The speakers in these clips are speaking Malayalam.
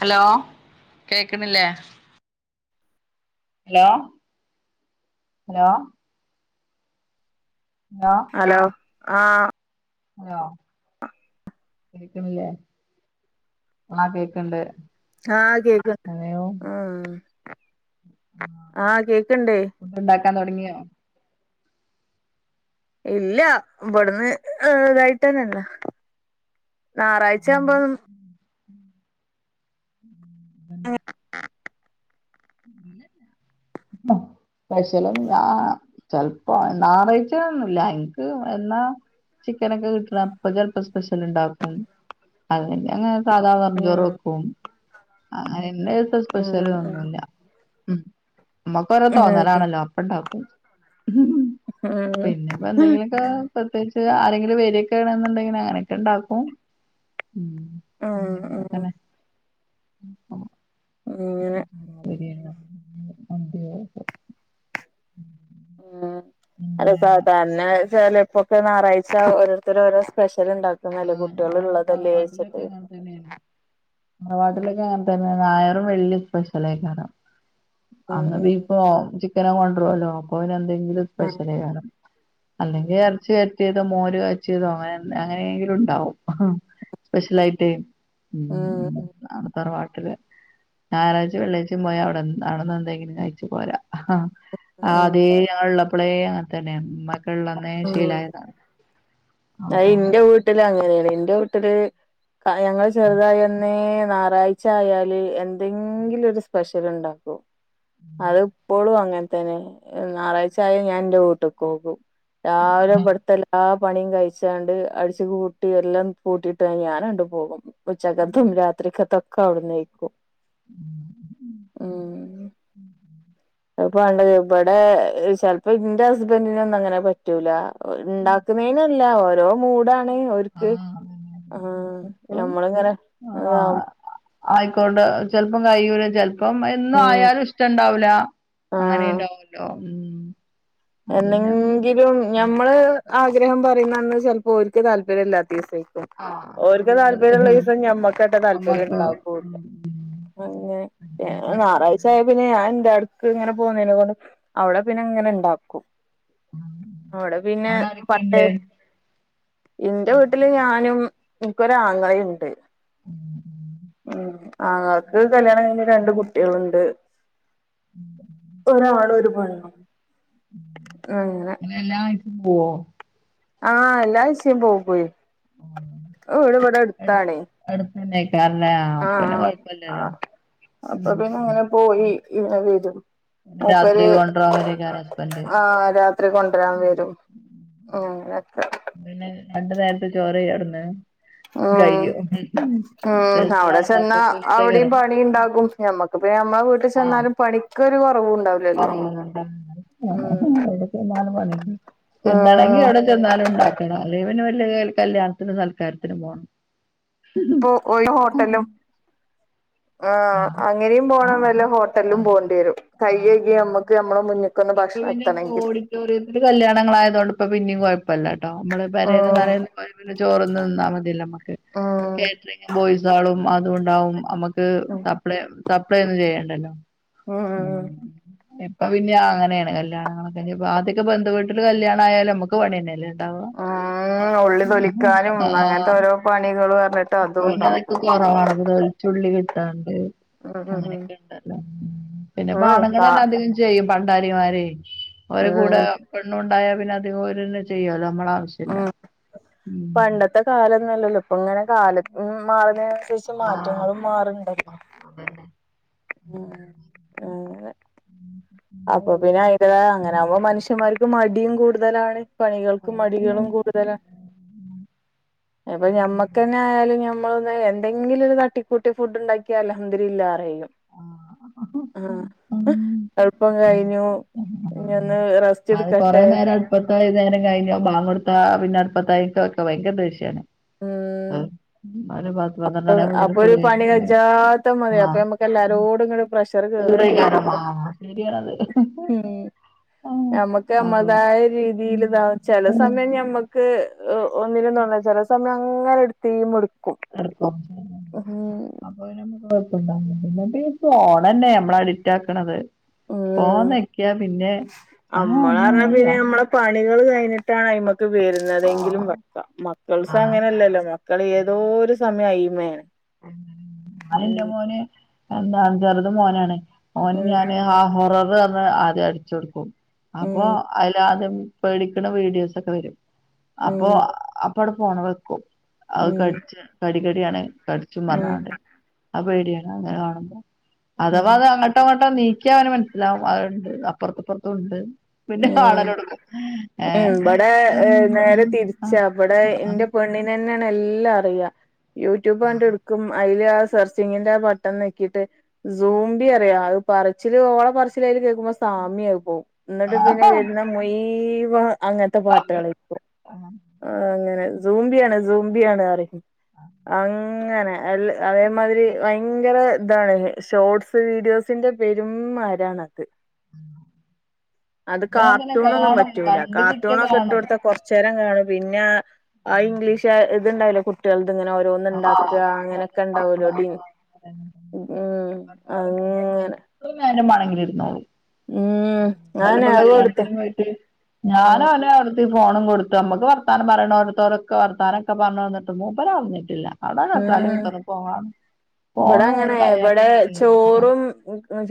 ഹലോ കേക്കണില്ലേ ഹലോ ഹലോ ഹലോ ഹലോ ആഹ് ഹലോ കേക്കണില്ലേ ആ കേക്കണ്ട് ആഹ കേക്ക്ണ്ട് അതെയോ ആ ആഹ് കേക്ക്ണ്ടേ ഫുഡ്ണ്ടാക്കാൻ തുടങ്ങിയോ ഇല്ല ഇവിടന്ന് ഇതായിട്ട് തന്നല്ലെ ഞറാഴ്ചാമ്പോ [inaudible] [inaudible] അ പ്പെഷ്യലും അ ചെിലപ്പോ നാറാഴ്ച്ചന്നില്ല എനിക്ക് എന്നാ ചിക്കനൊക്കെ കിട്ടണ അപ്പൊ ചെലപ്പൊ സ്പെഷ്യൽ ഇണ്ടാവും അം അങ്ങനെ സാധാ വെറും ചോറ് ഉം വെക്കും അങ്ങനെ ഇന്നെത്തെ സ്പെഷ്യല് ഉം ഒന്നുല്യ അ നമ്മക്കോരോ ഉം തോന്നലാണല്ലോ അപ്പൊണ്ടാക്കും ഉം പിന്നെ ഇപ്പൊ എന്തെങ്കിലൊക്കെ പ്രത്യേകിച്ച് പന്തെങ്കിലൊക്കെ പ്രത്യേകിച്ച് ആരെങ്കിലും വരിയൊക്കാന്നുണ്ടെങ്കിൽ അങ്ങനെൊക്കെ ണ്ടാക്കും അഹ് ഉം ഉം ഉം അങ്ങനൊക്കെതന്നെ അങ്ങനെ [unintelligible] [inaudible] അല്ലെ പിന്നെ സാധാരണ ചിലപ്പോക്കെ ഞായറാഴ്ച ഓരോരുത്തർ ഓരോ സ്പെഷ്യൽ ഉണ്ടാക്കും ആഹ് ഞങ്ങളവ്ടെ തറവാട്ടിലൊക്കെ അങ്ങനെ തന്നെയാണ് ഉം തറവാട്ടിലൊക്കെ അങ്ങന നായറും വെള്ളിം സ്പെഷ്യലായിക്കറണം ഉം ഉം അങ്ങനിപ്പോ കൊണ്ടല്ലോ അപ്പൊ അവന് എന്തെങ്കിലും സ്പെഷലേ വണം ഉം അല്ലെങ്കിൽ ഇറച്ചി വെറ്റിയത് മോര് കാച്ചിയതോ അങ്ങന അങ്ങങ്കിലും ഉണ്ടാവും സ്പെഷ്യലായിട്ട് മ് ഉം അഹ് തറവാട്ടില് ഞായറാഴ്ച വെള്ളാഴ്ച്ചും പോയാ അവിടൊവിന്ന് എന്തെങ്കിലും കഴിച്ചു പോരാ ഉം ആതേ ഞങ്ങള്ളപ്പോളെ അങ്ങന തന്നെയ ഇമ്മ ള്ളന്നേ ഉം ഉം ശീലായതാണ് അത് അപ്പൊ ഇന്റെ വീട്ടില് അങ്ങനെയാണ് ഇന്റെ വീട്ടില് ഞങ്ങള് ചെറുതായിന്നെ ഞായറാഴ്ച ആയാല് എന്തെങ്കിലും ഒരു സ്പെഷ്യൽണ്ടാക്കും അത്പ്പോളും അങ്ങനെ തന്നെ ഞായറാഴ്ച ആായ ഞാൻ ഇൻ്റെ വൂട്ടിക്ക്കോകും രാവിലെ ഇവ്ത്തെല്ലാ പണിയും കഴിച്ചാണ്ട് അടിച്ച് പൂട്ടി എല്ലാം പൂട്ടിയിട്ട് ഞാനാട്ട് പോവും ഉച്ചക്കത്തേം രാത്രിക്കത്തേം ഒക്കവിട്ന്നായിക്കൂ അഹ് അഹ് അത് ഇവിടെ ചിലപ്പോ ഇന്റെ ഹസ്ബൻ്റിന് ഒന്നും അങ്ങനെ പറ്റൂല ഉണ്ടാക്ക് വേനല്ല ഓരോ മൂടാണ് ആഹ് ആ അതന്നെ എപ്പളും നമ്മള് ഇങ്ങനെ ആയിക്കൊണ്ട് ചിലപ്പം കയ്യൂല ചെൽപ്പൊ ഇപ്പം എന്നും ഉം ആയാലും ഇഷ്ടം ഇണ്ടാവൂല ആഹ് അങ്ങനെണ്ടാവല്ലോ എന്നെങ്കിലും ഞമ്മള് ആഗ്രഹം പറയുന്നന്ന് ചിലപ്പോ ഓല്ക്ക് താല്പര്യം ഇല്ലാതെദിവസയെക്കും ആഹ് ഓര്ക്ക് ശരിയാണത് താല്പര്യം ഉം. ഉള്ള ദിവസം ഞമ്മക്കട്ടെ താല്പര്യം അമ്മക്ക് ഉണ്ടാവൂല്ല ഉം അങ്ങനെ ഞാകൾ അങ്ങനെയൊക്കെ ഞായരായായാ പിന്നെ ഞാൻ എന്റെടെ ഇങ്ങനെ പോകുന്നതിനെ കൊണ്ട് അവിടെ പിന്നെ ഇങ്ങനെ ഉണ്ടാവും ഉം. അവുടെ പിന്നെ അവിടെ പട്ട് ആരൊക്കെയുണ്ട് എന്റെ ഉം. വീട്ടില് ഞാനും എനിക്കൊരാങ്ങളിണ്ട് ഉം. ഉ ആങ്ങൾക്ക് കല്യാണം കഴിഞ്ഞ രണ്ട് കുട്ടികളുണ്ട് ഒരാണു ഒരു പെണ്ണും അങ്ങന അകനെ ആയിപോവും ആഹ എല്ലാ ആയ്ചയും പോ പോയി ഇവിടെ ഇവിടെ എടുത്താണേ എടുത്തന്നക്കാറല്ലേ അപ്പന്നെ കൊഴപ്പല്ലല്ലോ ആഹ് അപ്പൊ പിന്നെ അങ്ങനെ പോയി ഇങ്ങെ വരും രാത്രി മുപ്പര് കൊണ്ടരാൻ വരേക്കാരം ഹസ്ബൻഡ് ആഹ് രാത്രി കൊണ്ടുവരാൻ വരും [unintelligible] പിന്നെ രണ്ടു നേരത്തെ ചോറ് അവിടന്ന് ഉം കയ്യും ഉം അവിടെ ചെന്നാ അവിടെയും പണി ഉണ്ടാകും ഞമ്മക്ക്പ്പ നമ്മളെ വീട്ടിൽ ചെന്നാലും പണി ഇന്ക്കുരൂക്കുറാവുണ്ടാ എവിട നാല് മണി തിന്നണെങ്കി ഉം അവിടെ ന്നാലും ഉണ്ടാക്കണം അല്ലെവന് വലിയ കല്യാണത്തിനും സൽക്കാരത്തിനും പോകണം ഇപ്പൊ ഓ ഹോട്ടലും ആഹ് അങ്ങനെയും പോണം വല്ല ആഹ് ഹോട്ടലും ആഹ് പോകേണ്ടി വരും ആഹ് കൈഴകി അതെ നമ്മുക്ക് നമ്മളെ മുൻ ഇപ്പൊ പിന്നെ ഓഡിറ്റോറിയത്തില് കല്യാണം ആയതോണ്ട്പ്പോ പിന്നെയും കുഴപ്പമല്ല ട്ടോ നമ്മള് വരയന്ന് ഉം പറയുന്നത് ന് ചോറ്ന്ന്തിന്നാൽ മതില്ല നമ്മക്ക് കേറ്ററിംഗ് ബോയ്സ് ആളും അതുകൊണ്ടാവും നമ്മക്ക് ഉം സപ് സപ്പ്ളെ സപ്പ്ളെ ഒന്നും ഉം ചെയ്യണ്ടല്ലോപ്പ പിന്ന അങ്ങനെയാണ് കല്യാണൊക്കെ അതൊക്കെ ബന്ധു വീട്ടില് കല്യാണ ആയാലും നമുക്ക് പണി ന്നലെ ണ്ടാവാ ഉം ആഹ് ആഹ് ആഹ് പണികൾ പറഞ്ഞിട്ട് അതും അഹ് പിന്നെ ഉണ്ടാക്കും അതൊക്കെ കുറവാണത് വെളുത്തുള്ളി ണ്ട് ഉം ഉം അങ്ങനൊക്കെ ഉണ്ടല്ലോ പിന്നെ ഉം ഉം ആണുങ്ങൾ കാ അധി ചെയ്യും പണ്ടാരിമാരെയും ഒരേ കൂടെ ഉം പെണ്ണു ഉണ്ടാ പിന്നെ അധികം ഒന്നെ ചെയ്യാല്ല നമ്മള്ളെ ആവി ഉം പണ്ടത്തെ കാലന്നല്ലല്ലോ ഇപ്പൊ ഇങ്ങനെ കാല മാറുന്ന ആഹ് മാറ്റങ്ങളും മാറണ്ടല്ലോ അതന്നെ ഉം അങ്ങനെ അപ്പൊ ഓള് പിന്നെ അയ്യ്ന്റെതായ അങ്ങനാകുമ്പോ മനുഷ്യന്മാർക്ക് മടിയും കൂടുതലാണ് പണികൾക്കും ശരിയാണ് മടികളും കൂടുതല [inaudible] അപ്പൊ ഞമ്മക്ക് തന്നെ ആയാലും മ്മള് എന്തെങ്കിലും ഒരു തട്ടിക്കൂട്ടി ഫുഡ് ഉണ്ടാക്കിയ അൽഹംദുലില്ലാപറയാലോ ആ ആഹ് ഉം അതെ. ഇജ് അതന്നെ. എന്താ റസ്റ്റ്‌ അത് കുറേ നേരം അടുപ്പത്തായി നേരം കഴിഞ്ഞോ ബാങ്ങ് കൊടുത്ത പിന്നെ അടുപ്പത്തായിക്ക ഒക്കെ ഭയങ്കര ദേഷ്യയാണ് ഉം ആഹ് ആരു പത്രണ്ടാണിയാപ്പോത്തിന് അപ്പൊ ഒരു പണി കുളിയിഞ്ഞട്ട് കജാത്ത മതി അപ്പൊ നമ്മക്ക് എല്ലാരോടും ഇങ്ങട് പ്രഷർ കേറും ചെയ്യും [unintelligible] ശരിയണത് മ്മക്ക് നമ്മതായ ഉം രീതിൽതാ ചില സമയം ഞമ്മക്ക് ഒന്നിലന്നണ്ട ചില സമയം അങ്ങനെ എടുത്തേൽമേൽ എടുക്കും [unintelligible] ഓഹ്. അപ്പൊ പിന്നെ മ്മക്ക്കൊഴപ്പണ്ടായിനില പിന്നപ്പൊ ഈ ഫോണല്ലെ ഞമ്മളെ അഡിക്റ്റാക്കണത്. ഉം ഫോൺ നെക്കിയാ പിന്നെ. [inaudible] പണികള് കഴിഞ്ഞിട്ടാണ് അയ്‌മക്ക് ആ വരുന്നതെങ്കിലും വെക്കാ മക്കൾസ് ആ ആ അങ്ങനെല്ലല്ലോ മക്ക ക്കള് ഏതോരു സമയോ അയ്മേണ്. [inaudible] ളിന്റെ മോന് എന്താ ചെറുതും മോനാണ് ഓന് ഉം ഞാന് ആ ഹൊററ് റഞ്ഞെ ആദ്യം അടിച്ചൊടുക്കും അപ്പൊ ഉം അതിലാദ്യം. പേടിക്ക്ണ വീഡിയോസ് ഒക്കെ വരും ഉം അപ്പൊ അ അപ്പവ്ടെ ഫോണ് വെക്കും. അത് ഉം കടിച്ചും കടി കടിയാണ് കടിച്ചും ഉം പറഞ്ഞ്ങ്ങാണ്ട്. ആഹ് പേടിയാണ് അങ്ങനെ കാണുമ്പോ ഉം ഉം അഥവാ അത് അങ്ങട്ട് ട്ടോ ങ്ങ്ട്ടോ നീക്കിയ അവന് മനസ്സിലാവും അഹ്ണ്ട് അപ്പറത്തും പ്പറത്തുണ്ട്. ഉം ഉം ഇവിടെ നേരെ തിരിച്ചാ വ്ടെ ന്റെ പെണ്ണിന്. നെന്നേണ് എല്ലാ അറിയാ യൂട്യൂബണ്ട് ഇട്ക് ക്കും അയില് ആ സെർച്ചിങ്ങിന്റെ ബട്ടൺ നെക്കീട്ട് സൂമ്പി അറിയാ അഹ് പറിച്ചില് ഓളെ പറച്ചിലയില് കേക്കുമ്പോ സാമി ആയി പോവും ന്നിട്ട് പിന്നെ വരുന്ന മുയിവം അങ്ങൻത്തെ പാട്ടാള് ഇപ്പോ ആഹ് അങ്ങനെ സൂമ്പിയാണ് സൂമ്പിയാണ് അറീം അങ്ങനെ എല്ല അതേമാതിരി വയങ്കര താണ് ഷോട്സ് വീഡിയോസിന്റെ പെരും മാരാണത്. അത് പിന്നെ അങ്ങനെ കാർട്ടൂണൊന്നും കാണും പറ്റൂല കണ്ട് കിട്ടിയ കാർട്ടൂണൊക്കെ ഇട്ട് കാണും കൊടുത്ത കൊറച്ച് ച്ചേരം കാണും പിന്നെ ആ ആ ഇംഗ്ലീഷാ ത്ണ്ടാവൂല്ലെ കുട്ടിയേളത് ങ്ങനെ ഓരോ. ആഹ് ണ്ടാക്ക കുട്ടികൾണ്ടാക്കണ അങ്ങനൊക്കെണ്ടാവലോടീന് ഉം അങ്ങനെ. എത്രെ നേരം ബാണെങ്കിലും ഇരുന്നോളും. ഉം ഞാൻ ആകെട്ത്തെ ഞാനോനെ അവ്ട്ന്ന് ഈ ഫോണും കൊട്ത്ത് നമ്മക്ക് വർത്താനം പറീണോരത്തോരൊക്കെ വത്താനൊക്കെ പറഞ്ഞ് വന്ന്ട്ടും മൂപ്പര് അറിഞ്ഞിട്ട്ല്ല. അതാ കസാലെ കുത്രന്ന് ഫോൺ കാണാ ഇബടെ അങ്ങനെയ്യ ഇബടെ ചോറും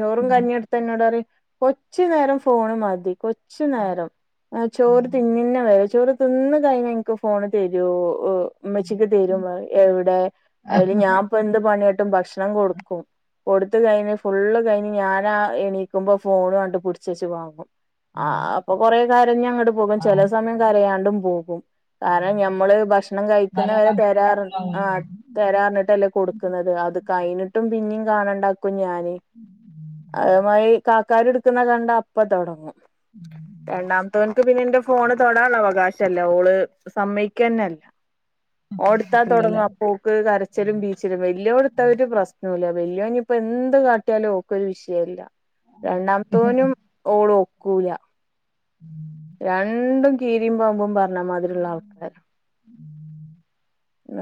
ചോറും കഞ്ഞി ട് ത്തന്നോടറീം കൊച്ച് നേരം ഫോണ് മതി കൊ ച്ച് ആഹ് നേരം ചോറ് ഉം തിന്നിന്ന വരെ ചോറ് തിന്ന് കഴിഞ്ഞ ൻക്ക് ഫോണ് തരോ ഹ് ഇമ്മച്ചിക്ക് തരും പറീം എവ്ടെ ഐല് ഞാപ്പെന്ത് പണിയാട്ടും ഭഷ്ണം കൊടുക്കും കൊടുത്ത് കഴിഞ്ഞ് ഫുള്ള് കഴിഞ് ഞാനാ എണീക്കുമ്പോ ഫോണു അണ്ട് പിട്ച്ചെച്ച് വാങ്ങും. ഉം ആഹ് അപ്പൊ കൊറെ കരഞ്ഞങ്ങ്ട് പോകും ചെല ആഹ് സമയം കരയാണ്ടും പോകും. കാരണം ഞമ്മള് ഭക്ഷ്ണം നല്ല കഴിക്കുന്നവരെ ഫങ്ഷൻ തരാറ് ഉണ്ടാവുമല്ലോ ആഹ് തരാറ്ഞ്ഞ്ട്ടല്ലേ കൊട്ക്ക്ന്നത് അത് അത് കയിഞ്ഞിട്ടും പിന്നീം കാണണ്ടാക്കും ഞാന് [inaudible] അഹ് മാതിരി കാക്കാര് ഇട്ക്ക്ണ കണ്ടാ അപ്പ തൊടങ്ങും രണ്ടാ റ്റോന്ക്ക് പിന്നെ ന്റെ ഫോണ് തൊടാള്ള അവകാശല്ല ഓള് സമ്മയിക്കെന്നെല്ല. ഓൻട്ത്താ തൊടങ്ങും കിട്ടൂലല്ലേ അപ്പോക്ക് കരച്ചലും ബീച്ചലും വല്ല്യോട് ഒരു പ്രസ്നോല്ല വല്ല്യോനിപ്പൊ എന്ത് കാട്ടിയാലും ഓക്കൊരു വിഷയല്ല രണ്ടാമത്തോനും ഓളും ഒക്കൂല. ഉം. രണ്ടും കീരീം പാമ്പും പറഞ്ഞമാതിരിള്ള ആൾക്കാരാ.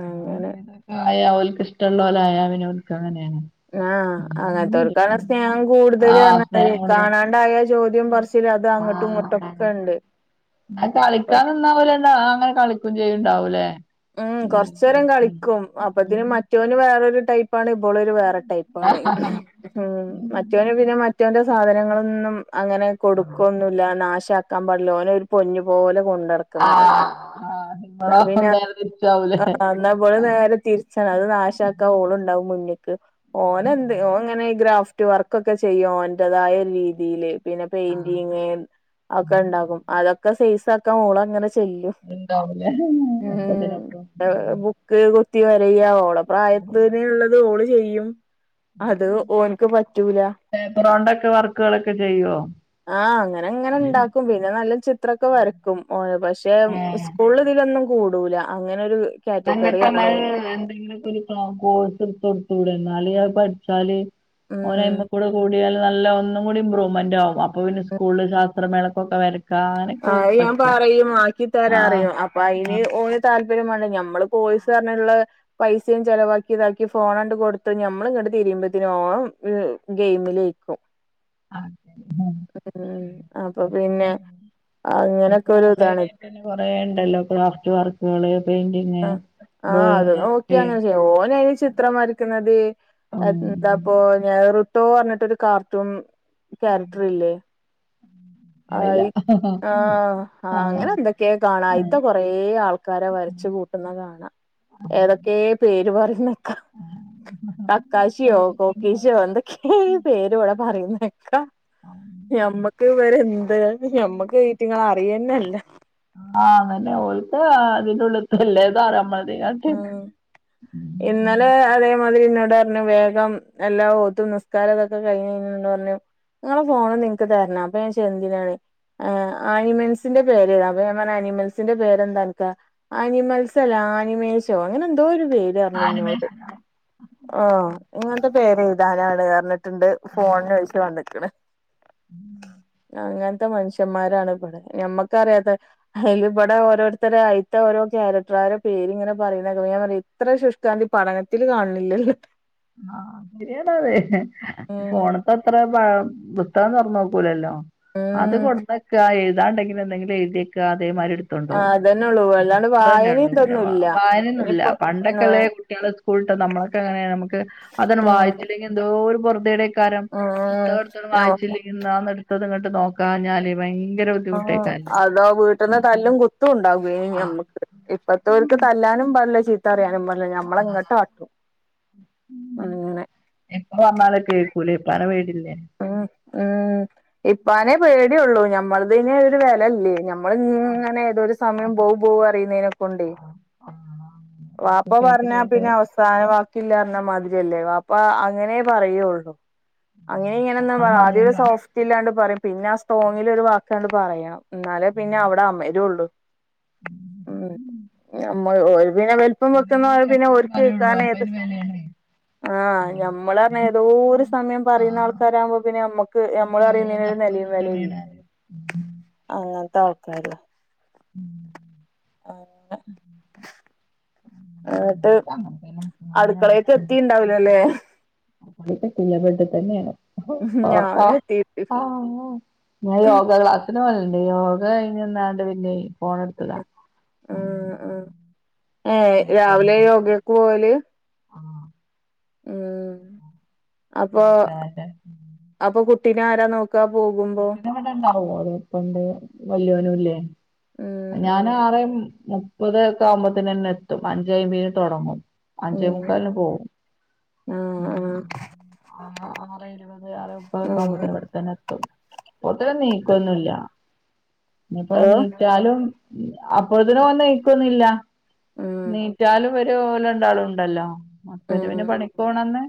അങ്ങനെ [inaudible] ക്കായാ അവല്ക്ക് ഇഷ്ടള്ളോലായ ഓൽക്കങ്ങനേണ് ആഹ് അങ്ങൻത്തോര്ക്കാണ് സ്നേഹം ആഹ് കൂട്തല്റഞ്ഞാല് സ്നേഹം കൊടുക്കണം കാണാണ്ടായാ ചോദ്യോം പറച്ചിലും അത് അങ്ങട്ടും ഇങ്ങട്ടൊക്കെണ്ട് ന്ന കളിക്കാ നിന്നാ ഇവല് രണ്ടാളും അങ്ങനെ കളിക്കും ചെയ്യ്ണ്ടാവൂല്ലേ. ഉം കൊറച്ചേരം കളിക്കും അപ്പത്തിന് മറ്റവന് വേറൊരു ടൈപ്പ് പാണ് ഇബളൊരു വേറെ ടൈപ്പാണ് ഹ്. ആഹ് ഉം മറ്റവന് പിന്നെ മറ്റവന്റെ സാധനങ്ങളൊന്നും അങ്ങനെ കൊടുക്കോന്നുല്ല ല്ല നാശ ആക്കാൻ പാടില്ല ഓനെ ഒരു പൊന്നു പോലെ കൊണ്ട നടക്കും ആഹ് ഇങ്ങളോ നേരെ തിരിച്ചാവും ലെ ആ ന്ന വെള് നേരെ തിരിച്ചാണ് അത് നാശാക്ക ഓളുണ്ടാവും മുന്നിക്ക്. ഓൻ എന്ത് ഓൻ ങ്ങനെ ഗ്രാഫ്റ്റ് വർക്ക്ഒക്കെ ചെയ്യും ഓന്റെതായ രീതിയില് പിന്നെ പെയിന്റിങ് അത്‌ ഒക്കെ ഉണ്ടാക്കും അതൊക്കെ സൈസ് ആക്കാ ഓൾ അങ്ങനെ ചെയ്യും ഉണ്ടാവൂലേ ഉം ഒപ്പത്തിനൊപ്പം ബുക്ക് കുത്തി വരയ ഓളെ പ്രായത്തിനുള്ളത് ഓള് ചെയ്യും അത് ഓൻക്ക് പറ്റൂല. പേപ്പറൊണ്ടൊക്കെ വർക്ക്‌ വർക്ക്‌ കളൊക്കെ ചെയ്യോ ആഹ് അങ്ങനെ അങ്ങനെ ഇന്നാ ഉണ്ടാക്കും പിന്നെ നല്ല ചിത്രൊക്കെ വരയ്ക്കും ഓൻ പക്ഷെ സ്കൂൾ സ്ക്കൂൾ ഇതിലൊന്നും കൂടൂല അങ്ങനെരു അങ്ങനെത്തെ എന്തെങ്കിലൊക്കെ കോഴ്സ് എടുത്ത് കൊടുത്തൂടെ ന്നാല് അത്‌ പഠിച്ചാല് ഓന് ഉം അയ്മ്മക്കൂടെ കൂടിയാല് നല്ല ഒന്നും കൂടി ഇമ്പ്രൂവ്മെന്റ് ആകും അപ്പൊ പിന്നെ സ്കൂള് [unintelligible] ശാസ്ത്ര മേള ക്കൊക്കെ വരയ് ആഹ് അത്‌ ഞാൻ പറയും ആക്കി തരാ ആഹ് അറിയും അപ്പൊ അയിന് ആഹ് ഓൻ താല്പര്യം മാണ്ടേ ഞമ്മള് കോഴ്സ് പറഞ്ഞ് ള്ള പൈസയും ചെലവാക്കി ഇതാക്കി ഫോണ് അണ്ട് കൊടുത്ത് ഞമ്മൾ ഇങ്ങോട്ട് തിരിയുമ്പോത്തിന് ഓൻ ഗെയിമിലേൽക്കും. ആഹ് അപ്പൊ പിന്നെ ഇപ്പൊ അങ്ങനൊക്കെ ഒരു ഓൺലൈൻ ഇതാണ് ആയിട്ട് തന്നെ കൊറെ ഉണ്ടല്ലോ ക്രാഫ്റ്റ് വർക്കുകള് പെയിന്റിങ് ആ ആഹ് അത് ഡ്രോയിങ് നോക്കി ഒക്കെ അങ്ങനെ ചെയ്യ ഓൻ അയ്ൻ ചിത്രം വരക്കുന്നത് ഉം എന്താപ്പൊ ഞൻറട്ടോ പറഞ്ഞിട്ട്ഒരു കാർട്ടൂൺ ക്യാരക്ടർ ഇല്ലേ അറിയില്ല ആയി ആഹ്, ആഹ് അങ്ങനെ എന്തൊക്കെ കാണാ ആഹ് അയ്ത്തെ കൊറേ ആൾക്കാരെ വരച്ച് കൂട്ടുന്ന കാണ ഏതൊക്കെ പേര് പറയുന്നെ കക്കാശിയോ കോക്കീശോ എന്തൊക്കെ പേര് വ്ടെ പറയുന്ന കേൾ ഞമ്മക്ക് ഇവരെന്ത്‌ ഞമ്മക്ക് ഈറ്റിങ്ങളെ അറിയന്നെല്ല ആഹ് അതെന്നെ ഓല്ക്ക് ഇതിനുള്ളിൽ തെ എല്ലതും അറിയാ ഞമ്മൾക്ക് ആഹ് ഉം ഇന്നലെ അതേമാതിരി ഇന്നോട് പറഞ്ഞു വേഗം എല്ലാം ഓത്തും നിസ്കാരം തൊക്കെ കഴിഞ്ഞഞപ്പോ പറഞ്ഞു നിങ്ങളെ ഫോൺ ഒന്ന് ഇൻക്ക് തരണം അപ്പൊഞാൻ ചോയ്ച്ചു എന്തിനാണ് ആഹ് ആനിമൽസിന്റെ പേര് ഏഴ്താൻ അപ്പൊ ഞാൻ പറഞ്ഞ് ആനിമൽസിന്റെ പേരെന്താ അനക്ക് ആനിമൽസ് അല്ല ആനിമേശോ അങ്ങനെ എന്തോ ഒരു പേര് പറഞ്ഞു ന്നോട്. ആനിമേഷനാ ആഹ് ഇങ്ങനത്തെ പേര് എഴുതാനാണ് അറിഞ്ട്ടുണ്ട് ഫോൺ ചോദിച്ചു വന്നക്ക്ണ്. ഉം.. അങ്ങനത്തെ മനുഷ്യന്മാരാണ് ഇവിടെ ഞമ്മക്കറിയാത്ത അയ്ല് ബടെ ഓരോരുത്തർ അയ്ത്ത ഓരോ ക്യാരക്ടർ കാർ പേരിങ്ങനെ പറയണ കേൾക്കാ ഞാൻ പറയാ ഇത്ര ശുഷ്കാന്തി പഠനത്തില് കാണില്ലല്ലോ ട്ടോ ആഹ് ശരിയണത് ഉം ഫോണ് ത്തെ അത്ര പുസ്തകം തൊറന്ന് നോക്കൂലല്ലോ അത് ഉം കൊട്ന്നെക്കാ എഴുതാനുണ്ടെങ്കിൽ എന്തെങ്കിലും എഴുതി വയ്ക്ക അതേമാരി എടു ആ തുണ്ടോവും അതന്നെള്ളൂ അല്ലാണ്ട് അത്ര തന്നെ വായനയും ഉള്ളു പിന്നെ ഇതൊന്നുല്ല വായനൊന്നുല്ല ഇനിയിപ്പോ പണ്ടൊക്കെ ല്ലേ ആഹ് കുട്ട്യാൾ സ്കൂളിട്ട നമ്മളൊക്കെ അങ്ങനെ നമക്ക് അതെണ് ഉം വായിച്ചില്ലെങ്കിൽ എന്തോ ഒരു പൊറുതി കേട് എയ്ക്കും കാരം ഉം പുസ്തകെടുത്തൊന്ന് ആഹ് വായിച്ചില്ലെങ്കിൽ അന്നാന്ന് എടുത്തത്ങ്ങട്ട് നോക്കാഞ്ഞാല് ഭയങ്കര ആഹ് ബുദ്ധിമുട്ടേക്കാരം അതോ വീട്ടന്ന് തല്ലും കുത്തും ഉണ്ടാകുവെനി നമ്മക്ക്. ഇപ്പത്തോൽക്ക് തല്ലാനും പാടില്ല ചീത്ത അറിയാനും പാടില്ല ഞമ്മളെങ്ങട്ട് ആട്ടും അങ്ങനെ ഇപ്പ പറഞ്ഞാലും കേൾക്കൂലേ ഇപ്പാനെ പേടില്ലേ? ഉം ഉം ഇപ്പാനേ പേടിയൊള്ളൂ ഞമ്മൾെതെന് ഒരു വെലല്ലേ ഞ നമ്മൾ ഇങ്ങനെ ഏതോരു ആ, സമയം ബൗ ബൗ അറിയുന്നതിനൊക്കെണ്ടെ ആ, ആ. വപ്പ കേട്ട് പറഞ്ഞാ കേട്ട് പിന്നെ അവ സാനവാക്കില്ലർഞ മാതിരിയല്ലേ വാപ്പ അങ്ങനെ പറയുള്ളൂ അങ്ങനെ ഇങ്ങനെന്നും അപ്പളും പറ ആദ്യം ഒരു പറയൂല സോഫ്റ്റ് ഇല്ലാണ്ട് പറയും പിന്നെ ആ സ്ട്രോങ്ങിൽ ഒരു വാക്കണ്ട് പറയും ഇന്നാലേ പിന്നെ അവിടെ അമരൊള്ളു ഉം നമ്മ ഓല് പിന്നെ ഇപ്പ പിന്നെ വെക്കുന്ന പോലെ ഓലൊക്കെ പിന്നെ അപ്പളേ ഓര്ക്കു പറയുള്ളൂ വെയ്ക്കാൻ അപ്പൊ ഏത് അതിന് വിലയാണ് ആഹ് ഞമ്മള് അർഞ്ഞ ഏതോരു സമയം ആ അറിയുന്ന ആൾക്കാരാകുമ്പോ പിന്നെ നമ്മക്ക് ഓൽക്ക് നമ്മൾ അറിയുന്നതിന് വിലയില്ലാതെ ഒരു അപ്പളും നിലയും ഇങ്ങനെ വിലയും തന്നെയാണ് ഇല്ല പറയും അങ്ങനത്തെ ആൾക്കാരാ എന്നിട്ട് അവർക്ക് അങ്ങനെ തന്നെ ഫോണില് അടുക്കളയിലേക്ക് എത്തിണ്ട്‌ ഉണ്ടാവില്ല അല്ലെ [unintelligible] ഇല്ല ബെഡിൽ തന്നെയാണ് ഞാനും എത്തിട്ട് [unintelligible] ഞാൻ യോഗ ക്ലാസിനു പോവലുണ്ട് യോഗ കഴിഞ്ഞു വന്നാണ്ട് പിന്നെ ഫോൺ എടുത്തതാ ഉം ഉം ഏഹ് രാവിലെ യോഗക്ക് പോകല് ആഹ ഉം അപ്പൊ അപ്പൊ കുട്ടിനെ ആരാ നോക്കു ഇക്കാ പോകുമ്പോ ഓ അതപോണ്ട് വലിയവരും ഇല്ലേ ഉം ഞാൻ ഉം ആറ് മുപ്പത് ഒക്കെ ആകുമ്പത്തിന് തന്നെ എത്തും അഞ്ച് അൻപതിന് തുടങ്ങും അഞ്ചേ ഉം മുക്കാലിനു പോകും ആഹ് ഇരുപത് ആഹ് ഉം മുപ്പത്ആകുമ്പഴത്തേക്ക് അവിടെ തന്നെ എത്തും [unintelligible] നീക്കൊന്നുമല്ല ഇപ്പ നീ ഓഹ് എന്നാലും അപ്പഴത്തിനു വന്ന എനിക്കുന്നില്ല ഉം എന്നിട്ടാലും രണ്ടാള് ഉണ്ടല്ലോ ഉം അസ്‌ബൻ്റ് പണിക്ക് പോകുന്ന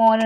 മോന